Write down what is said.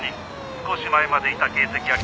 少し前までいた形跡あり」